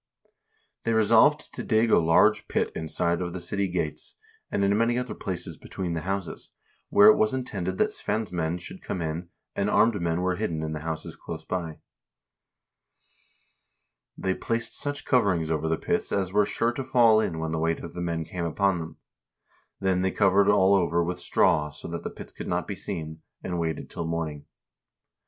They resolved to dig a large pit inside of the city gates, and in many other places between the houses, where it was intended that Svein's men should come in, and armed men were hidden in the houses close by. They placed such coverings over the pits as were sure to fall in when the weight of the men came upon them. Then they covered all over with straw, so that the pits could not be seen, and waited till morning.